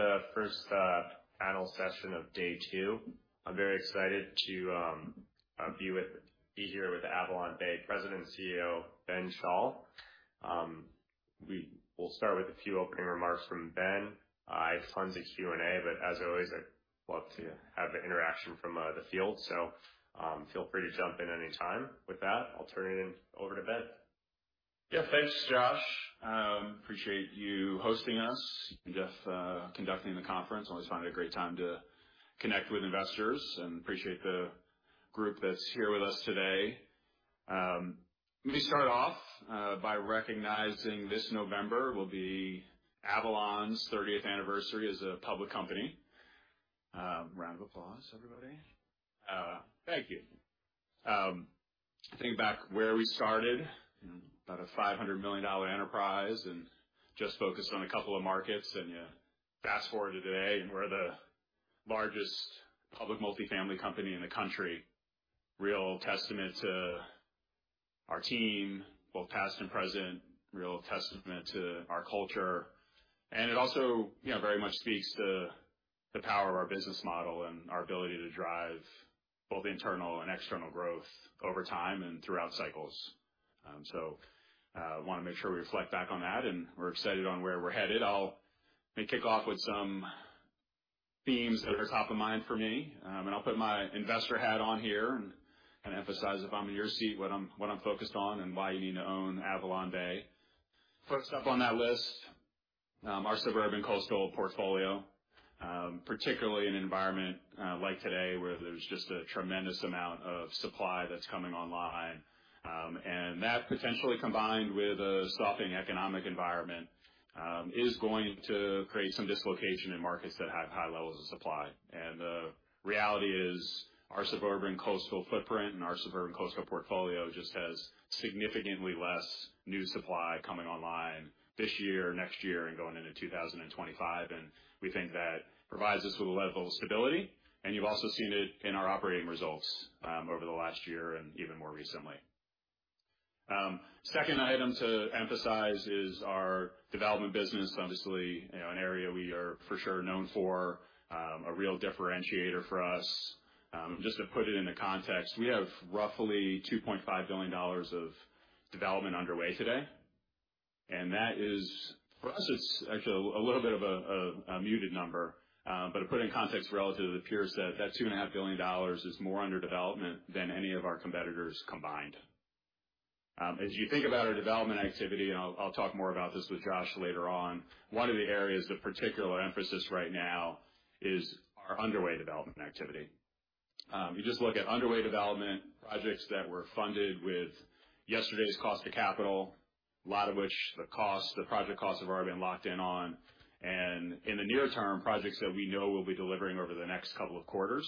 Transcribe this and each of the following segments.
For the first panel session of day two. I'm very excited to be here with AvalonBay President and CEO, Ben Schall. We will start with a few opening remarks from Ben. I have tons of Q&A, but as always, I'd love to have the interaction from the field. So, feel free to jump in anytime. With that, I'll turn it over to Ben. Yeah, thanks, Josh. Appreciate you hosting us and just conducting the conference. Always find it a great time to connect with investors and appreciate the group that's here with us today. Let me start off by recognizing this November will be Avalon's 30th anniversary as a public company. Round of applause, everybody. Thank you. Think back where we started, about a $500 million enterprise, and just focused on a couple of markets, and you fast forward to today, and we're the largest public multifamily company in the country. Real testament to our team, both past and present, real testament to our culture, and it also, you know, very much speaks to the power of our business model and our ability to drive both internal and external growth over time and throughout cycles. Want to make sure we reflect back on that, and we're excited on where we're headed. I'll maybe kick off with some themes that are top of mind for me, and I'll put my investor hat on here and kind of emphasize if I'm in your seat, what I'm, what I'm focused on and why you need to own AvalonBay. First up on that list, our suburban coastal portfolio, particularly in an environment like today, where there's just a tremendous amount of supply that's coming online. And that, potentially combined with a softening economic environment, is going to create some dislocation in markets that have high levels of supply. The reality is, our suburban coastal footprint and our suburban coastal portfolio just has significantly less new supply coming online this year, next year, and going into 2025, and we think that provides us with a level of stability, and you've also seen it in our operating results, over the last year and even more recently. Second item to emphasize is our development business. Obviously, you know, an area we are for sure known for, a real differentiator for us. Just to put it into context, we have roughly $2.5 billion of development underway today, and that is... For us, it's actually a little bit of a muted number, but to put it in context relative to the peers, that $2.5 billion is more under development than any of our competitors combined. As you think about our development activity, and I'll talk more about this with Josh later on, one of the areas of particular emphasis right now is our underway development activity. You just look at underway development, projects that were funded with yesterday's cost of capital, a lot of which the costs, the project costs, have already been locked in on, and in the near term, projects that we know we'll be delivering over the next couple of quarters.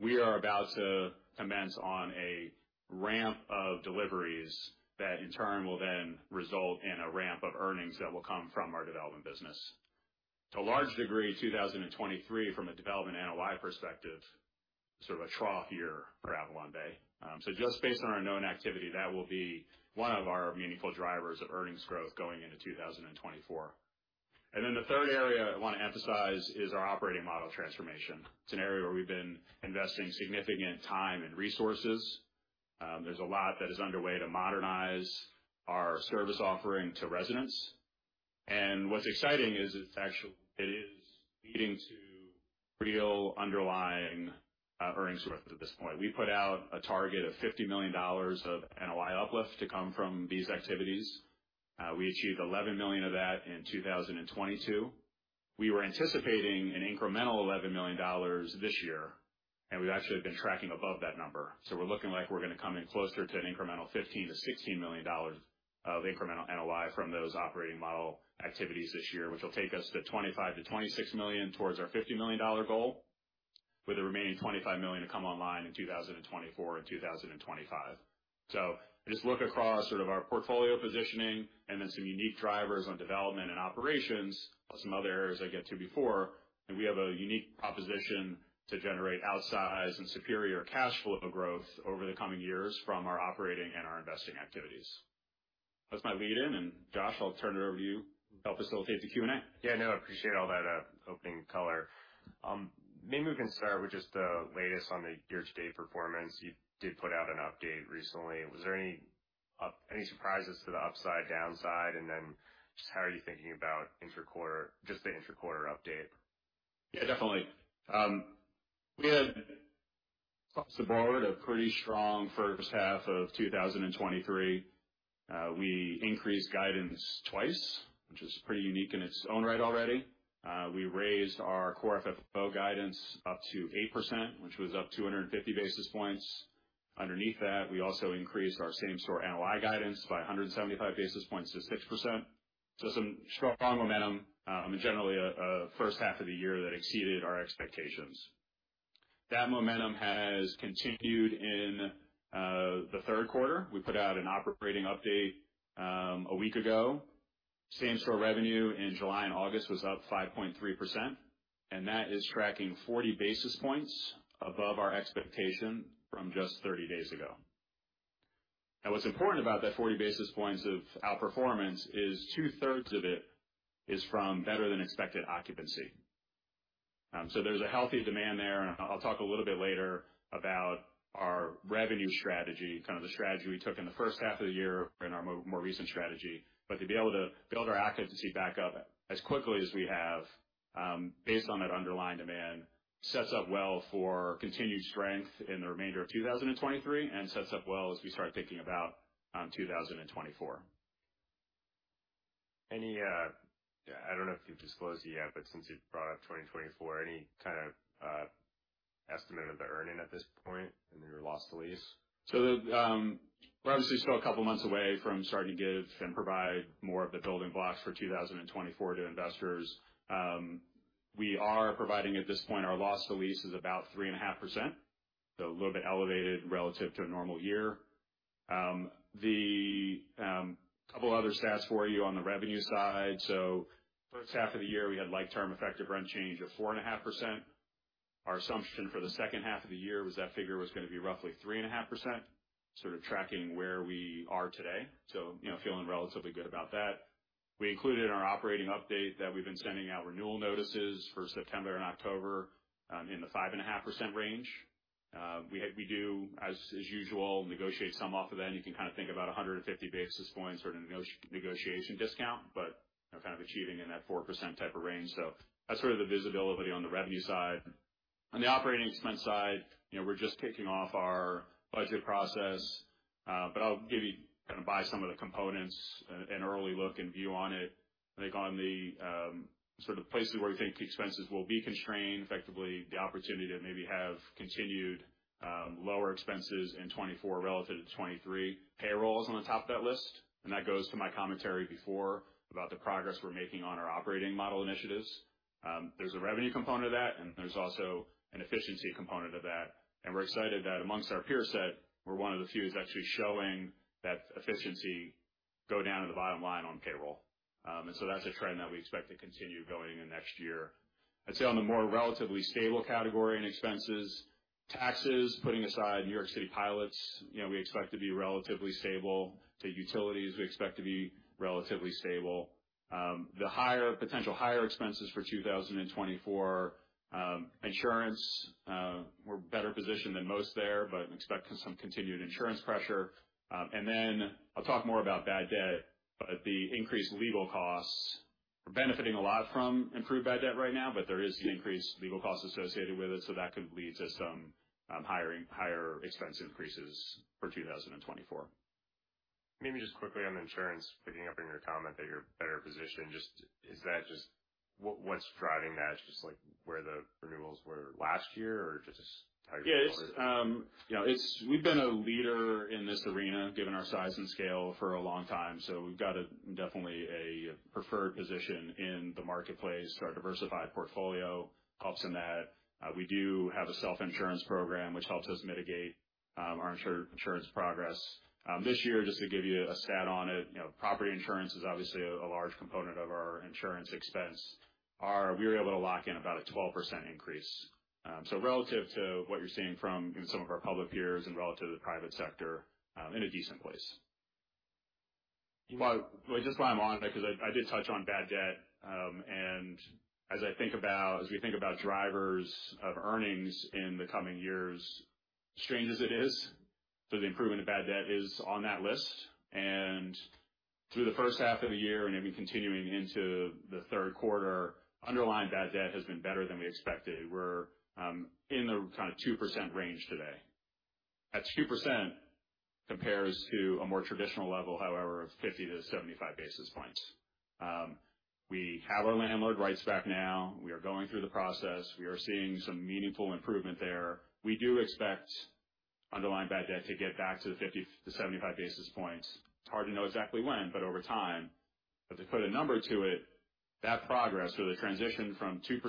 We are about to commence on a ramp of deliveries that, in turn, will then result in a ramp of earnings that will come from our development business. To a large degree, 2023, from a development NOI perspective, sort of a trough year for AvalonBay. So just based on our known activity, that will be one of our meaningful drivers of earnings growth going into 2024. And then the third area I want to emphasize is our operating model transformation. It's an area where we've been investing significant time and resources. There's a lot that is underway to modernize our service offering to residents. What's exciting is it's actually, it is leading to real underlying earnings growth at this point. We put out a target of $50 million of NOI uplift to come from these activities. We achieved $11 million of that in 2022. We were anticipating an incremental $11 million this year, and we've actually been tracking above that number. So we're looking like we're going to come in closer to an incremental $15-$16 million of incremental NOI from those operating model activities this year, which will take us to $25-$26 million towards our $50 million goal, with the remaining $25 million to come online in 2024 and 2025. So just look across sort of our portfolio positioning and then some unique drivers on development and operations, plus some other areas I get to before, and we have a unique proposition to generate outsized and superior cash flow growth over the coming years from our operating and our investing activities. That's my lead-in, and Josh, I'll turn it over to you to help facilitate the Q&A. Yeah, no, appreciate all that, opening color. Maybe we can start with just the latest on the year-to-date performance. You did put out an update recently. Was there any surprises to the upside, downside? And then just how are you thinking about interquarter, just the interquarter update? Yeah, definitely. We had, across the board, a pretty strong first half of 2023. We increased guidance twice, which is pretty unique in its own right already. We raised our Core FFO guidance up to 8%, which was up 250 basis points. Underneath that, we also increased our same-store NOI guidance by 175 basis points to 6%. So some strong momentum, and generally a first half of the year that exceeded our expectations. That momentum has continued in the third quarter. We put out an operating update a week ago. Same-store revenue in July and August was up 5.3%, and that is tracking 40 basis points above our expectation from just 30 days ago.... What's important about that 40 basis points of outperformance is two-thirds of it is from better than expected occupancy. So there's a healthy demand there, and I'll talk a little bit later about our revenue strategy, kind of the strategy we took in the first half of the year and our more recent strategy. But to be able to build our occupancy back up as quickly as we have, based on that underlying demand, sets up well for continued strength in the remainder of 2023, and sets up well as we start thinking about, 2024. Any, I don't know if you've disclosed it yet, but since you've brought up 2024, any kind of, estimate of the earnings at this point in your loss to lease? So, we're obviously still a couple months away from starting to give and provide more of the building blocks for 2024 to investors. We are providing, at this point, our loss to lease is about 3.5%, so a little bit elevated relative to a normal year. Couple other stats for you on the revenue side. So first half of the year, we had like term effective rent change of 4.5%. Our assumption for the second half of the year was that figure was gonna be roughly 3.5%, sort of tracking where we are today, so, you know, feeling relatively good about that. We included in our operating update that we've been sending out renewal notices for September and October in the 5.5% range. We do, as usual, negotiate some off of that. You can kind of think about 150 basis points or a negotiation discount, but, you know, kind of achieving in that 4% type of range. So that's sort of the visibility on the revenue side. On the operating expense side, you know, we're just kicking off our budget process, but I'll give you kind of by some of the components, an early look and view on it. I think on the sort of places where we think the expenses will be constrained, effectively, the opportunity to maybe have continued lower expenses in 2024 relative to 2023. Payroll is on the top of that list, and that goes to my commentary before about the progress we're making on our operating model initiatives. There's a revenue component of that, and there's also an efficiency component of that. We're excited that among our peer set, we're one of the few that's actually showing that efficiency go down to the bottom line on payroll. So that's a trend that we expect to continue going in next year. I'd say on the more relatively stable category in expenses, taxes, putting aside New York City PILOTs, you know, we expect to be relatively stable. To utilities, we expect to be relatively stable. The potential higher expenses for 2024, insurance, we're better positioned than most there, but expect some continued insurance pressure. And then I'll talk more about bad debt, but the increased legal costs, we're benefiting a lot from improved bad debt right now, but there is the increased legal costs associated with it, so that could lead to some, higher, higher expense increases for 2024. Maybe just quickly on the insurance, picking up on your comment that you're better positioned, just... Is that just-- what, what's driving that? Just like, where the renewals were last year or just how you- Yeah, it's, you know, we've been a leader in this arena, given our size and scale, for a long time, so we've got definitely a preferred position in the marketplace. Our diversified portfolio helps in that. We do have a self-insurance program, which helps us mitigate our insurance costs. This year, just to give you a stat on it, you know, property insurance is obviously a large component of our insurance expense. We were able to lock in about a 12% increase. So relative to what you're seeing from some of our public peers and relative to the private sector, in a decent place. But, just while I'm on it, because I did touch on bad debt, and as we think about drivers of earnings in the coming years, strange as it is, so the improvement of bad debt is on that list. Through the first half of the year, and even continuing into the third quarter, underlying bad debt has been better than we expected. We're in the kind of 2% range today. That 2% compares to a more traditional level, however, of 50-75 basis points. We have our landlord rights back now. We are going through the process. We are seeing some meaningful improvement there. We do expect underlying bad debt to get back to 50-75 basis points. It's hard to know exactly when, but over time. But to put a number to it, that progress, or the transition from 2%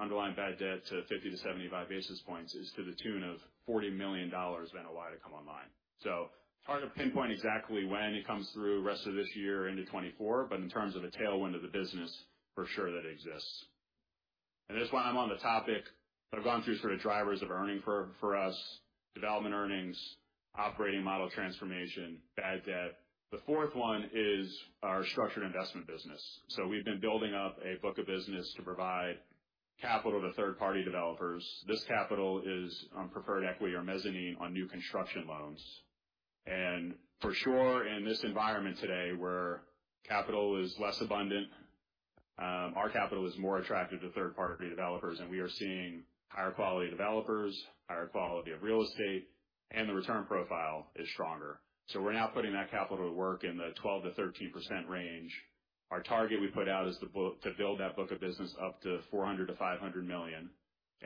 underlying bad debt to 50-75 basis points, is to the tune of $40 million of NOI to come online. So it's hard to pinpoint exactly when it comes through the rest of this year into 2024, but in terms of a tailwind of the business, for sure that exists. And just while I'm on the topic, I've gone through sort of drivers of earning for, for us, development earnings, operating model transformation, bad debt. The fourth one is our structured investment business. So we've been building up a book of business to provide capital to third-party developers. This capital is on preferred equity or mezzanine on new construction loans. And for sure, in this environment today, where capital is less abundant, our capital is more attractive to third-party developers, and we are seeing higher quality developers, higher quality of real estate, and the return profile is stronger. So we're now putting that capital to work in the 12%-13% range. Our target we put out is to build that book of business up to $400 million-$500 million.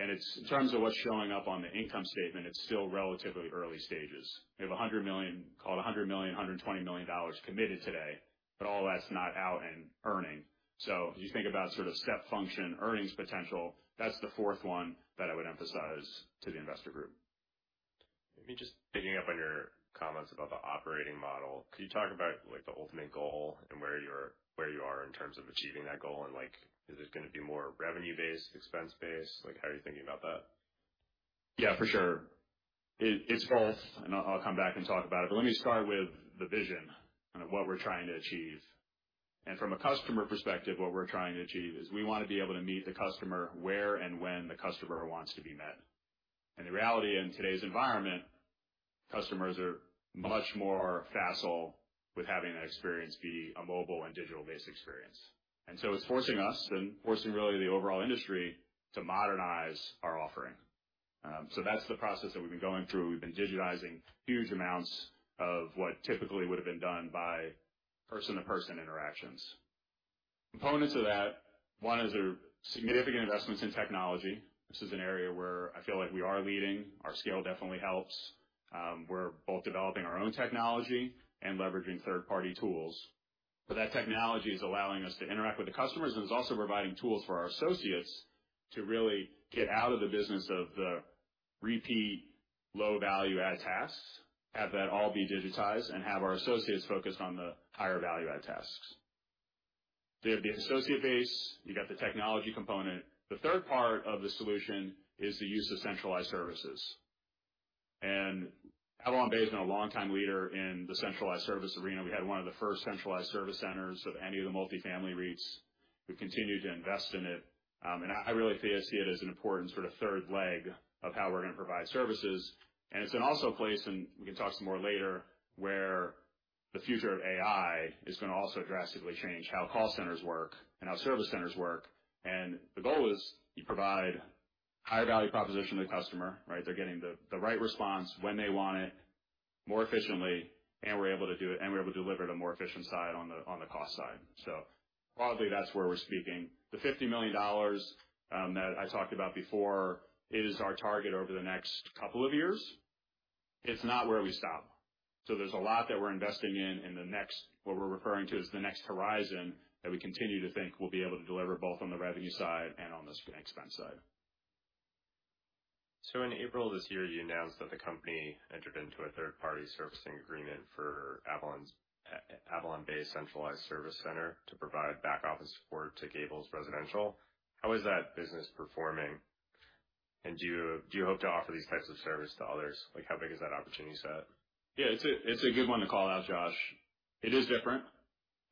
And it's, in terms of what's showing up on the income statement, it's still relatively early stages. We have $100 million, call it $100 million, $120 million committed today, but all that's not out and earning. So as you think about sort of step function, earnings potential, that's the fourth one that I would emphasize to the investor group. Picking up on your comments about the operating model, can you talk about, like, the ultimate goal and where you're, where you are in terms of achieving that goal? And, like, is this gonna be more revenue-based, expense-based? Like, how are you thinking about that?... Yeah, for sure. It's both, and I'll come back and talk about it, but let me start with the vision of what we're trying to achieve. From a customer perspective, what we're trying to achieve is we want to be able to meet the customer where and when the customer wants to be met. The reality in today's environment, customers are much more facile with having that experience be a mobile and digital-based experience. So it's forcing us, and forcing really the overall industry, to modernize our offering. That's the process that we've been going through. We've been digitizing huge amounts of what typically would have been done by person-to-person interactions. Components of that, one is there are significant investments in technology. This is an area where I feel like we are leading. Our scale definitely helps. We're both developing our own technology and leveraging third-party tools. But that technology is allowing us to interact with the customers, and it's also providing tools for our associates to really get out of the business of the repeat, low value-add tasks, have that all be digitized, and have our associates focused on the higher value-add tasks. So you have the associate base, you got the technology component. The third part of the solution is the use of centralized services. And AvalonBay has been a longtime leader in the centralized service arena. We had one of the first centralized service centers of any of the multifamily REITs. We've continued to invest in it, and I really see it as an important sort of third leg of how we're going to provide services. And it's also a place, and we can talk some more later, where the future of AI is going to also drastically change how call centers work and how service centers work. And the goal is you provide higher value proposition to the customer, right? They're getting the, the right response when they want it, more efficiently, and we're able to do it, and we're able to deliver it a more efficient side on the, on the cost side. So broadly, that's where we're speaking. The $50 million that I talked about before is our target over the next couple of years. It's not where we stop. So there's a lot that we're investing in, in the next... what we're referring to as the next horizon, that we continue to think we'll be able to deliver both on the revenue side and on the expense side. So in April this year, you announced that the company entered into a third-party servicing agreement for AvalonBay's centralized service center to provide back-office support to Gables Residential. How is that business performing? And do you, do you hope to offer these types of service to others? Like, how big is that opportunity set? Yeah, it's a, it's a good one to call out, Josh. It is different.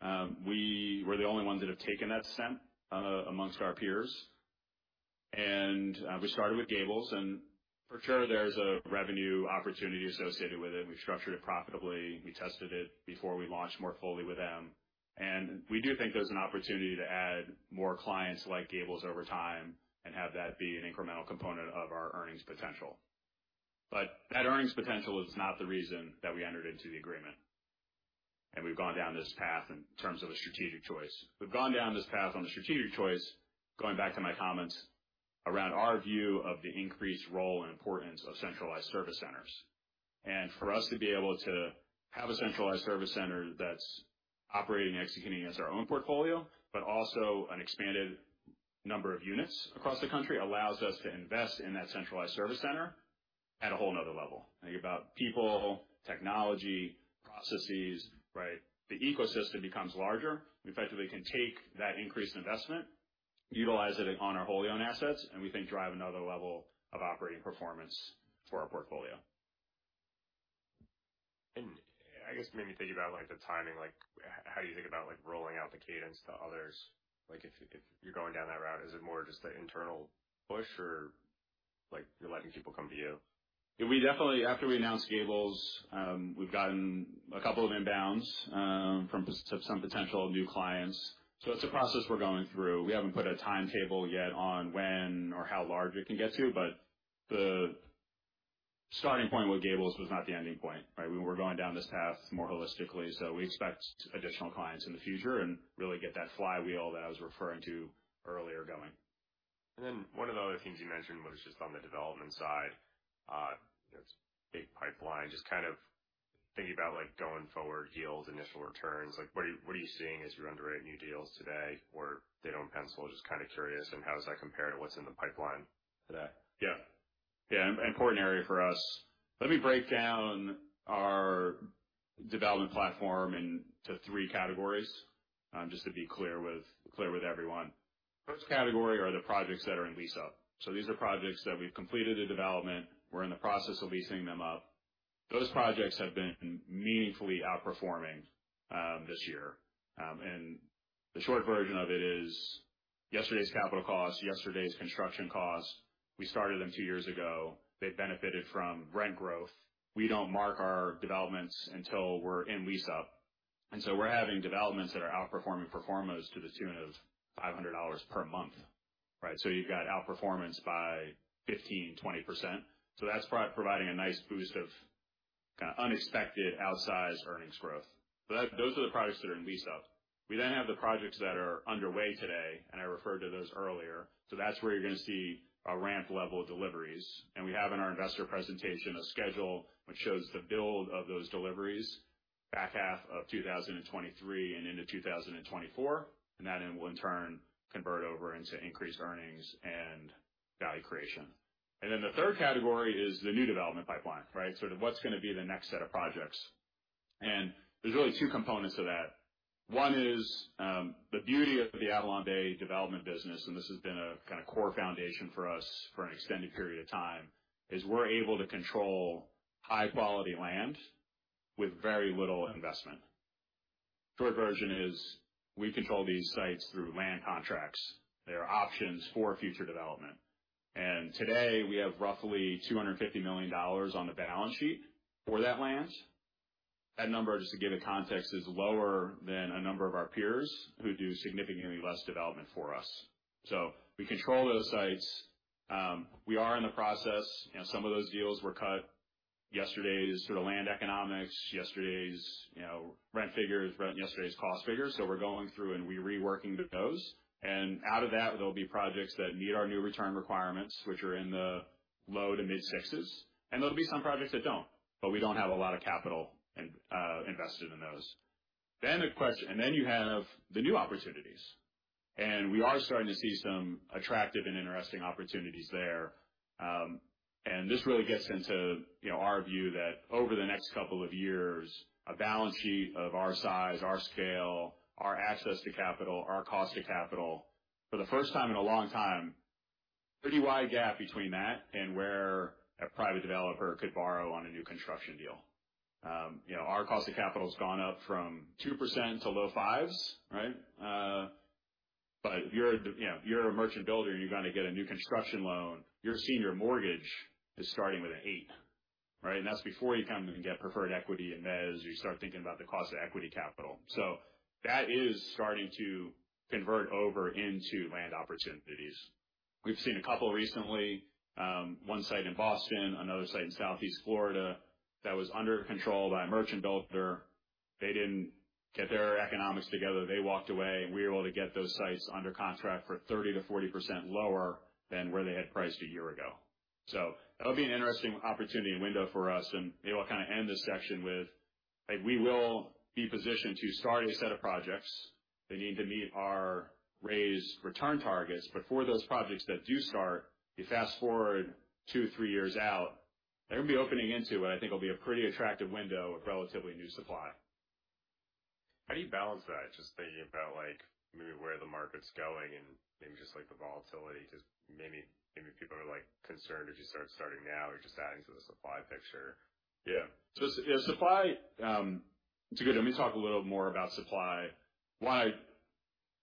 We're the only ones that have taken that step, amongst our peers. And, we started with Gables, and for sure, there's a revenue opportunity associated with it. We've structured it profitably. We tested it before we launched more fully with them. And we do think there's an opportunity to add more clients like Gables over time, and have that be an incremental component of our earnings potential. But that earnings potential is not the reason that we entered into the agreement, and we've gone down this path in terms of a strategic choice. We've gone down this path on a strategic choice, going back to my comments around our view of the increased role and importance of centralized service centers. For us to be able to have a centralized service center that's operating and executing as our own portfolio, but also an expanded number of units across the country, allows us to invest in that centralized service center at a whole another level. Think about people, technology, processes, right? The ecosystem becomes larger. We effectively can take that increased investment, utilize it on our wholly owned assets, and we think drive another level of operating performance for our portfolio. I guess, maybe think about, like, the timing, like, how do you think about, like, rolling out the cadence to others? Like, if you're going down that route, is it more just an internal push, or like, you're letting people come to you? Yeah, we definitely. After we announced Gables, we've gotten a couple of inbounds from some potential new clients, so it's a process we're going through. We haven't put a timetable yet on when or how large it can get to, but the starting point with Gables was not the ending point, right? We're going down this path more holistically, so we expect additional clients in the future and really get that flywheel that I was referring to earlier, going. And then one of the other things you mentioned was just on the development side, it's big pipeline. Just kind of thinking about, like, going forward, yields, initial returns, like, what are you, what are you seeing as you underwrite new deals today, or they don't pencil? Just kind of curious, and how does that compare to what's in the pipeline today? Yeah. Yeah, an important area for us. Let me break down our development platform into three categories, just to be clear with everyone. First category are the projects that are in lease-up. So these are projects that we've completed the development, we're in the process of leasing them up. Those projects have been meaningfully outperforming, this year. And the short version of it is yesterday's capital costs, yesterday's construction costs, we started them 2 years ago. They've benefited from rent growth. We don't mark our developments until we're in lease-up, and so we're having developments that are outperforming pro formas to the tune of $500 per month, right? So you've got outperformance by 15%-20%. So that's providing a nice boost of kind of unexpected, outsized earnings growth. So those are the products that are in lease-up. We then have the projects that are underway today, and I referred to those earlier. So that's where you're going to see a ramp level of deliveries. And we have in our investor presentation, a schedule which shows the build of those deliveries back half of 2023 and into 2024, and that then will in turn convert over into increased earnings and value creation. And then the third category is the new development pipeline, right? So what's going to be the next set of projects?... And there's really two components to that. One is, the beauty of the AvalonBay development business, and this has been a kind of core foundation for us for an extended period of time, is we're able to control high-quality land with very little investment. Short version is, we control these sites through land contracts. They are options for future development, and today, we have roughly $250 million on the balance sheet for that land. That number, just to give it context, is lower than a number of our peers, who do significantly less development for us. So we control those sites. We are in the process, you know, some of those deals were cut, yesterday's sort of land economics, yesterday's, you know, rent figures, yesterday's cost figures. So we're going through and reworking those. And out of that, there'll be projects that meet our new return requirements, which are in the low to mid-sixes, and there'll be some projects that don't, but we don't have a lot of capital in, invested in those. Then and then you have the new opportunities, and we are starting to see some attractive and interesting opportunities there. And this really gets into, you know, our view that over the next couple of years, a balance sheet of our size, our scale, our access to capital, our cost to capital, for the first time in a long time, pretty wide gap between that and where a private developer could borrow on a new construction deal. You know, our cost of capital has gone up from 2% to low 5s, right? But if you're a you know, if you're a merchant builder, and you're going to get a new construction loan, your senior mortgage is starting with an 8, right? And that's before you come and get preferred equity and mezz, you start thinking about the cost of equity capital. So that is starting to convert over into land opportunities. We've seen a couple recently, one site in Boston, another site in Southeast Florida, that was under control by a merchant builder. They didn't get their economics together. They walked away, and we were able to get those sites under contract for 30%-40% lower than where they had priced a year ago. So that'll be an interesting opportunity and window for us, and maybe I'll kind of end this section with, like, we will be positioned to start a set of projects. They need to meet our raised return targets. But for those projects that do start, you fast-forward 2-3 years out, they're going to be opening into what I think will be a pretty attractive window of relatively new supply. How do you balance that? Just thinking about, like, maybe where the market's going and maybe just, like, the volatility, because maybe people are, like, concerned if you start now, you're just adding to the supply picture. Yeah. So, supply... It's good. Let me talk a little more about supply. One,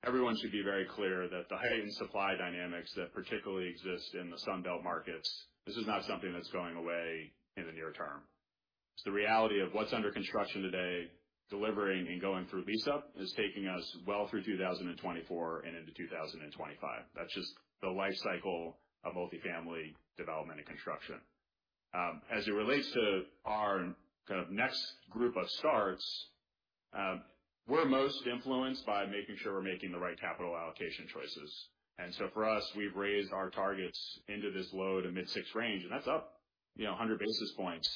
everyone should be very clear that the heightened supply dynamics that particularly exist in the Sun Belt markets, this is not something that's going away in the near term. It's the reality of what's under construction today, delivering and going through lease up is taking us well through 2024 and into 2025. That's just the life cycle of multifamily development and construction. As it relates to our kind of next group of starts, we're most influenced by making sure we're making the right capital allocation choices. And so for us, we've raised our targets into this low to mid-six range, and that's up, you know, 100 basis points,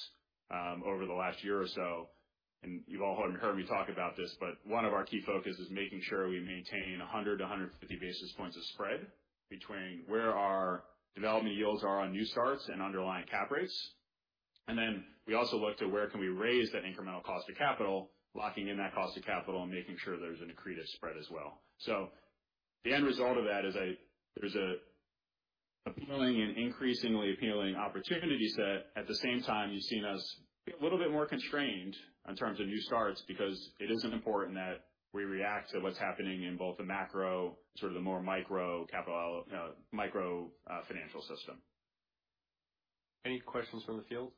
over the last year or so. You've all heard me talk about this, but one of our key focuses is making sure we maintain 100-150 basis points of spread between where our development yields are on new starts and underlying cap rates. Then we also look to where can we raise that incremental cost of capital, locking in that cost of capital, and making sure there's an accretive spread as well. The end result of that is there's an appealing and increasingly appealing opportunity set. At the same time, you've seen us be a little bit more constrained in terms of new starts because it is important that we react to what's happening in both the macro, sort of the more micro capital, micro financial system. Any questions from the field?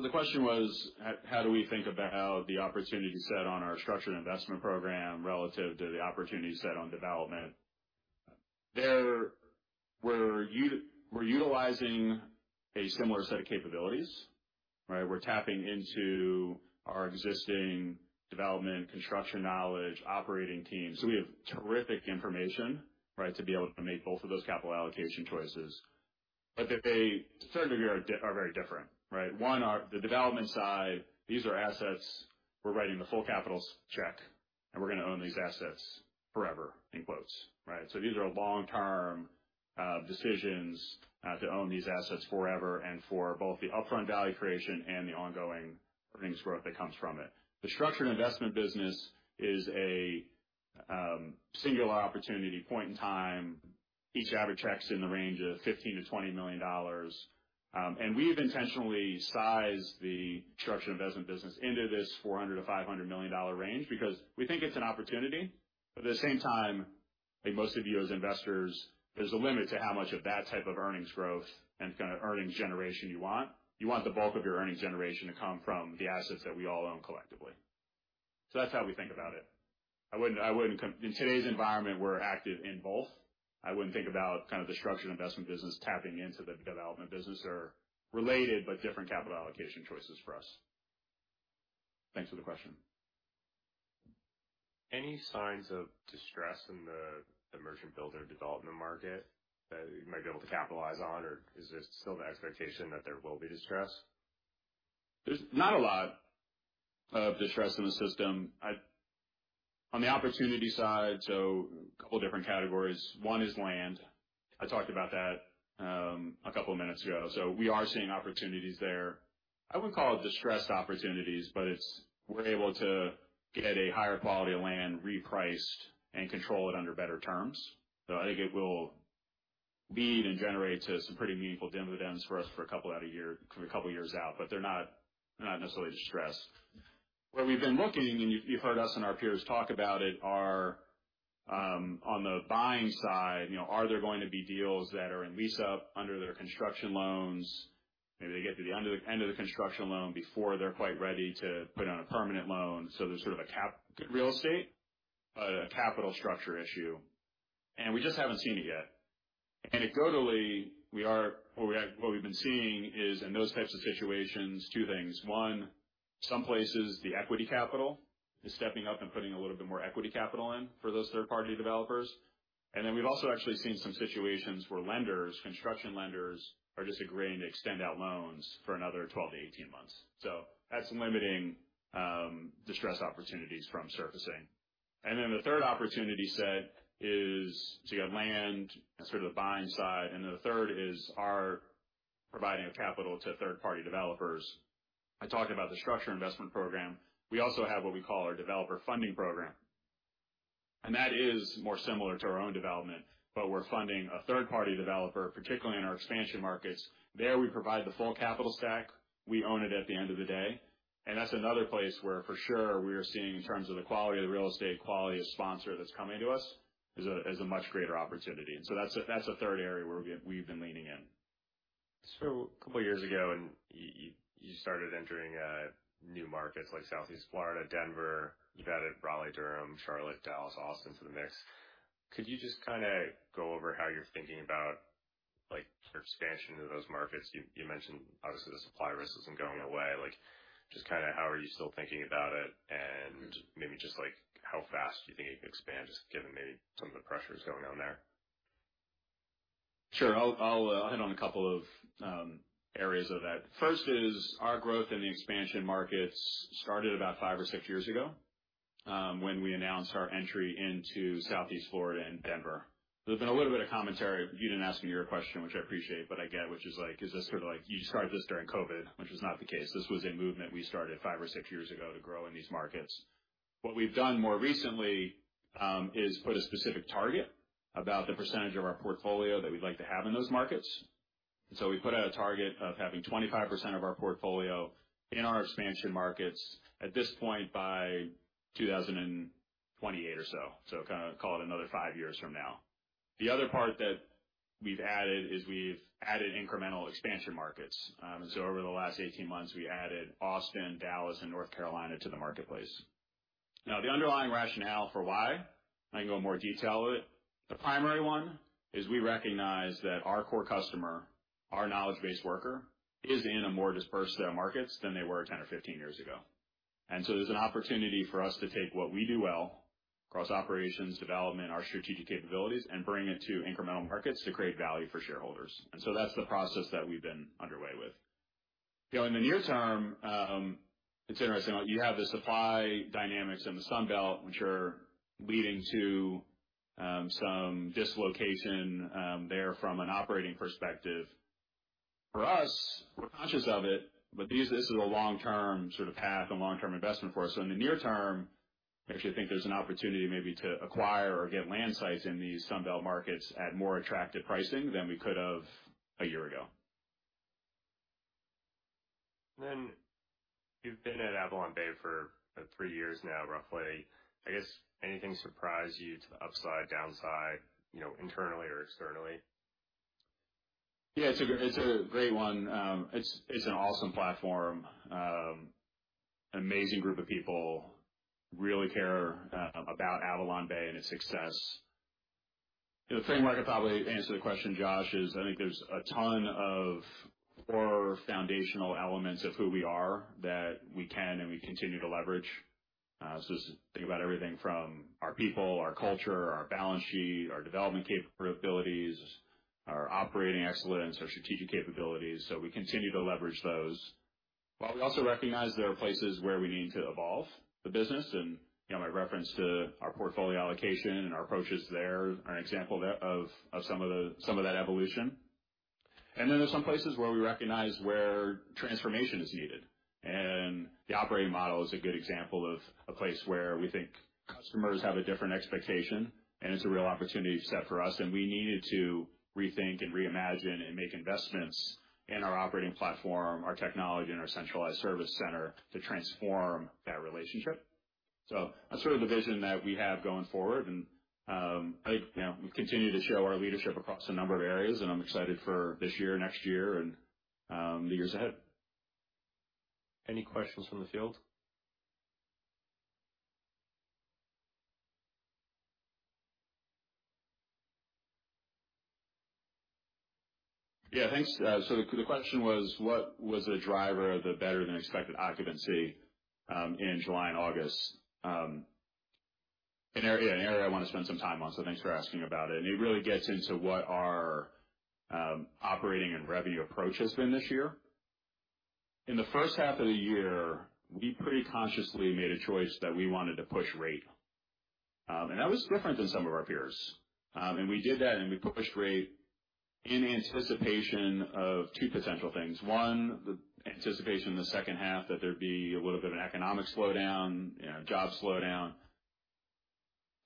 Yeah. So the question was, how do we think about the opportunity set on our structured investment program relative to the opportunity set on development? There, we're utilizing a similar set of capabilities, right? We're tapping into our existing development, construction knowledge, operating teams. So we have terrific information, right, to be able to make both of those capital allocation choices. But they, to certain degree, are very different, right? On the development side. These are assets. We're writing the full capital check, and we're going to own these assets forever, in quotes, right? So these are long-term decisions to own these assets forever, and for both the upfront value creation and the ongoing earnings growth that comes from it. The structured investment business is a singular opportunity, point in time. Each average checks in the range of $15 million-$20 million, and we've intentionally sized the structured investment business into this $400 million-$500 million range because we think it's an opportunity. But at the same time, like most of you as investors, there's a limit to how much of that type of earnings growth and kind of earnings generation you want. You want the bulk of your earnings generation to come from the assets that we all own collectively. So that's how we think about it. I wouldn't in today's environment, we're active in both. I wouldn't think about kind of the structured investment business tapping into the development business or related, but different capital allocation choices for us. Thanks for the question.... Any signs of distress in the merchant builder development market that you might be able to capitalize on? Or is there still an expectation that there will be distress? There's not a lot of distress in the system. On the opportunity side, so a couple different categories. One is land. I talked about that, a couple of minutes ago. So we are seeing opportunities there. I wouldn't call it distressed opportunities, but it's, we're able to get a higher quality of land repriced and control it under better terms. So I think it will lead and generate to some pretty meaningful dividends for us for a couple out of year - for a couple of years out, but they're not, they're not necessarily distressed. Where we've been looking, and you've, you've heard us and our peers talk about it, are, on the buying side, you know, are there going to be deals that are in lease up under their construction loans? Maybe they get to the under the end of the construction loan before they're quite ready to put on a permanent loan. So there's sort of a good real estate, but a capital structure issue, and we just haven't seen it yet. Anecdotally, what we've been seeing is, in those types of situations, two things: One, some places, the equity capital is stepping up and putting a little bit more equity capital in for those third-party developers. And then we've also actually seen some situations where lenders, construction lenders, are just agreeing to extend out loans for another 12-18 months. So that's limiting distress opportunities from surfacing. And then the third opportunity set is, so you have land and sort of the buying side, and then the third is our providing of capital to third-party developers. I talked about the Structured Investment Program. We also have what we call our Developer Funding Program, and that is more similar to our own development, but we're funding a third-party developer, particularly in our expansion markets. There, we provide the full capital stack. We own it at the end of the day. And that's another place where, for sure, we are seeing in terms of the quality of the real estate, quality of sponsor that's coming to us, is a, is a much greater opportunity. And so that's a, that's a third area where we've, we've been leaning in. So a couple of years ago, you started entering new markets like Southeast Florida, Denver. You've added Raleigh, Durham, Charlotte, Dallas, Austin to the mix. Could you just kind of go over how you're thinking about, like, your expansion into those markets? You mentioned, obviously, the supply risk isn't going away. Like, just kind of how are you still thinking about it, and maybe just like how fast you think it can expand, just given maybe some of the pressures going on there? Sure. I'll hit on a couple of areas of that. First is our growth in the expansion markets started about 5 or 6 years ago, when we announced our entry into Southeast Florida and Denver. There's been a little bit of commentary, you didn't ask me your question, which I appreciate, but I get, which is like, is this sort of like you started this during COVID, which is not the case. This was a movement we started 5 or 6 years ago to grow in these markets. What we've done more recently is put a specific target about the percentage of our portfolio that we'd like to have in those markets. And so we put out a target of having 25% of our portfolio in our expansion markets at this point by 2028 or so. So kind of call it another 5 years from now. The other part that we've added is we've added incremental expansion markets. So over the last 18 months, we added Austin, Dallas, and North Carolina to the marketplace. Now, the underlying rationale for why, I can go in more detail with it. The primary one is we recognize that our core customer, our knowledge-based worker, is in a more dispersed set of markets than they were 10 or 15 years ago. And so there's an opportunity for us to take what we do well across operations, development, our strategic capabilities, and bring it to incremental markets to create value for shareholders. And so that's the process that we've been underway with. In the near term, it's interesting, you have the supply dynamics in the Sun Belt, which are leading to some dislocation there from an operating perspective. For us, we're conscious of it, but this is a long-term sort of path and long-term investment for us. So in the near term, I actually think there's an opportunity maybe to acquire or get land sites in these Sun Belt markets at more attractive pricing than we could have a year ago. Then, you've been at AvalonBay for three years now, roughly. I guess, anything surprise you to the upside, downside, you know, internally or externally? Yeah, it's a great one. It's an awesome platform. Amazing group of people, really care about AvalonBay and its success. The thing where I could probably answer the question, Josh, is I think there's a ton of core foundational elements of who we are that we can and we continue to leverage. So just think about everything from our people, our culture, our balance sheet, our development capabilities, our operating excellence, our strategic capabilities. So we continue to leverage those, while we also recognize there are places where we need to evolve the business. And, you know, my reference to our portfolio allocation and our approaches there are an example of some of that evolution. And then there's some places where we recognize where transformation is needed. And the operating model is a good example of a place where we think customers have a different expectation, and it's a real opportunity set for us, and we needed to rethink and reimagine and make investments in our operating platform, our technology, and our centralized service center to transform that relationship. So that's sort of the vision that we have going forward. And, I, you know, we continue to show our leadership across a number of areas, and I'm excited for this year, next year, and the years ahead. Any questions from the field? Yeah, thanks. So the, the question was, what was the driver of the better-than-expected occupancy in July and August? An area, yeah, an area I want to spend some time on, so thanks for asking about it. It really gets into what our operating and revenue approach has been this year. In the first half of the year, we pretty consciously made a choice that we wanted to push rate, and that was different than some of our peers. And we did that, and we pushed rate in anticipation of two potential things. One, the anticipation in the second half that there'd be a little bit of an economic slowdown, you know, job slowdown.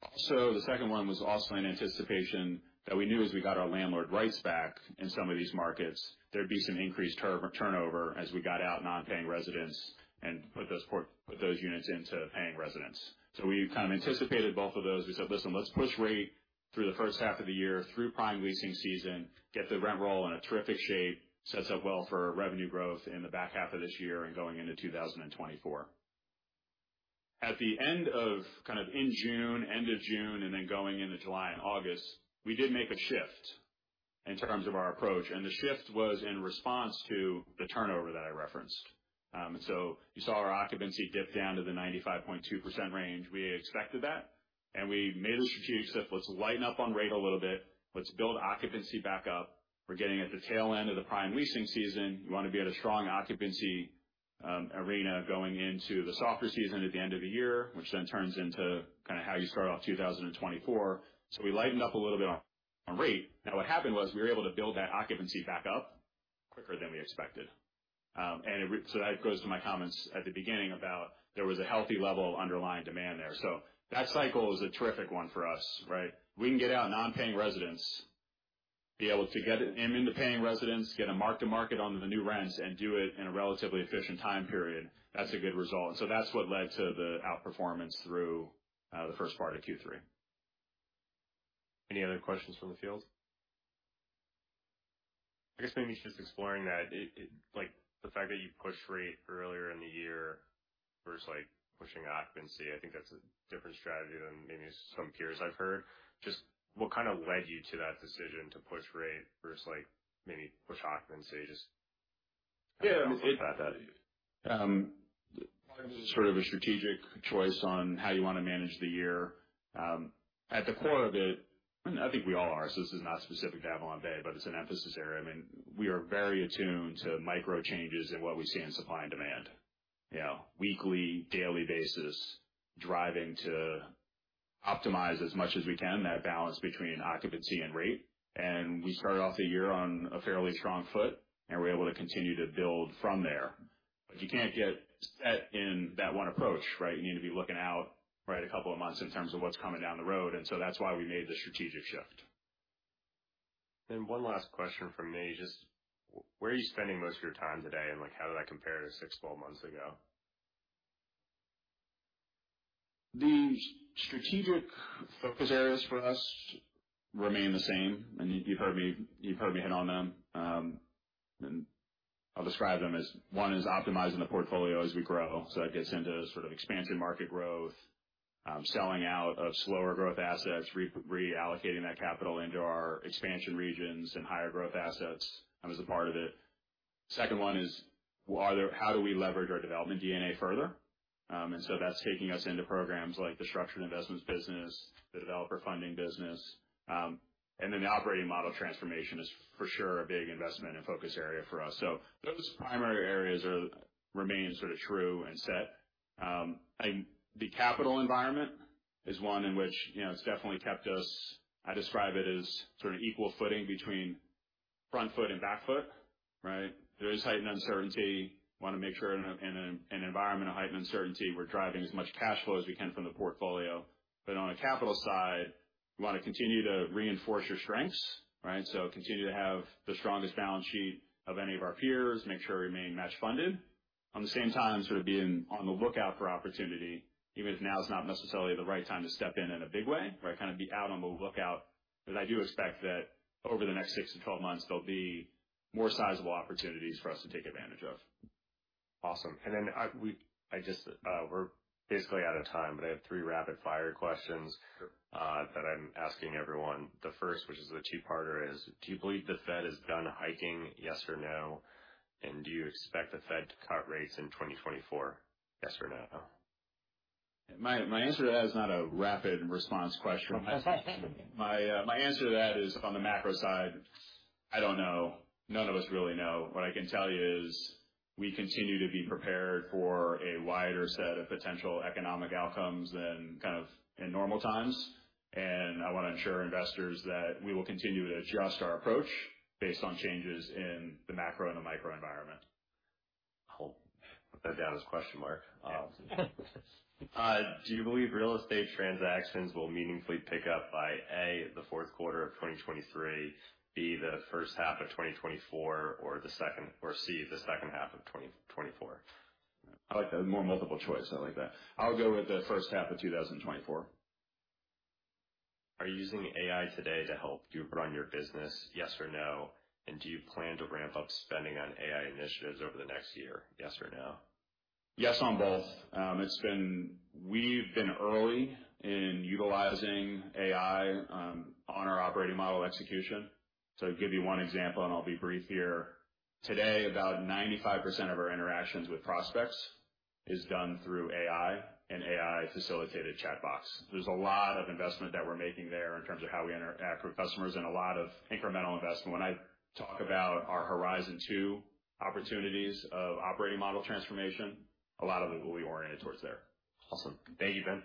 Also, the second one was also in anticipation that we knew as we got our landlord rights back in some of these markets, there'd be some increased turnover as we got out non-paying residents and put those units into paying residents. So we kind of anticipated both of those. We said, "Listen, let's push rate through the first half of the year, through prime leasing season, get the rent roll in a terrific shape, sets up well for revenue growth in the back half of this year and going into 2024." At the end of kind of in June, end of June, and then going into July and August, we did make a shift in terms of our approach, and the shift was in response to the turnover that I referenced. And so you saw our occupancy dip down to the 95.2% range. We expected that, and we made a strategic shift. Let's lighten up on rate a little bit. Let's build occupancy back up. We're getting at the tail end of the prime leasing season. We want to be at a strong occupancy arena going into the softer season at the end of the year, which then turns into kind of how you start off 2024. So we lightened up a little bit on, on rate. Now, what happened was we were able to build that occupancy back up quicker than we expected. And it so that goes to my comments at the beginning about there was a healthy level of underlying demand there. So that cycle is a terrific one for us, right? We can get out non-paying residents, be able to get them into paying residents, get a mark to market on the new rents, and do it in a relatively efficient time period. That's a good result. So that's what led to the outperformance through the first part of Q3. Any other questions from the field? I guess maybe just exploring that. It... like, the fact that you pushed rate earlier in the year versus, like, pushing occupancy, I think that's a different strategy than maybe some peers I've heard. Just, what kind of led you to that decision to push rate versus, like, maybe push occupancy? Just- Yeah, it- about that. It was sort of a strategic choice on how you want to manage the year. At the core of it, and I think we all are, so this is not specific to AvalonBay, but it's an emphasis area. I mean, we are very attuned to micro changes in what we see in supply and demand, you know, weekly, daily basis, driving to optimize as much as we can, that balance between occupancy and rate. And we started off the year on a fairly strong foot, and we were able to continue to build from there. But you can't get set in that one approach, right? You need to be looking out, right, a couple of months in terms of what's coming down the road, and so that's why we made the strategic shift. One last question from me. Just where are you spending most of your time today, and, like, how did that compare to 6, 12 months ago? The strategic focus areas for us remain the same, and you've heard me hit on them. And I'll describe them as one is optimizing the portfolio as we grow. So that gets into sort of expansion market growth, selling out of slower growth assets, reallocating that capital into our expansion regions and higher growth assets as a part of it. Second one is how do we leverage our development DNA further? And so that's taking us into programs like the structured investments business, the developer funding business, and then the operating model transformation is for sure a big investment and focus area for us. So those primary areas are remain sort of true and set. I... The capital environment is one in which, you know, it's definitely kept us. I describe it as sort of equal footing between front foot and back foot, right? There is heightened uncertainty. We want to make sure in an environment of heightened uncertainty, we're driving as much cash flow as we can from the portfolio. But on a capital side, we want to continue to reinforce your strengths, right? So continue to have the strongest balance sheet of any of our peers, make sure we remain match funded. At the same time, sort of being on the lookout for opportunity, even if now is not necessarily the right time to step in in a big way, but I kind of be out on the lookout, but I do expect that over the next 6-12 months, there'll be more sizable opportunities for us to take advantage of. Awesome. And then, I just, we're basically out of time, but I have three rapid-fire questions- Sure. that I'm asking everyone. The first, which is a two-parter, is: Do you believe the Fed is done hiking, yes or no? And do you expect the Fed to cut rates in 2024, yes or no? My, my answer to that is not a rapid response question. My, my answer to that is, on the macro side, I don't know. None of us really know. What I can tell you is we continue to be prepared for a wider set of potential economic outcomes than kind of in normal times, and I want to assure investors that we will continue to adjust our approach based on changes in the macro and the micro environment. I'll put that down as a question mark. Do you believe real estate transactions will meaningfully pick up by, A, the fourth quarter of 2023, B, the first half of 2024, or C, the second half of 2024? I like that. More multiple choice. I like that. I'll go with the first half of 2024. Are you using AI today to help you run your business, yes or no? And do you plan to ramp up spending on AI initiatives over the next year, yes or no? Yes on both. We've been early in utilizing AI on our operating model execution. So give you one example, and I'll be brief here: Today, about 95% of our interactions with prospects is done through AI and AI-facilitated chat box. There's a lot of investment that we're making there in terms of how we interact with customers and a lot of incremental investment. When I talk about our Horizon Two opportunities of operating model transformation, a lot of it will be oriented towards there. Awesome. Thank you, Ben.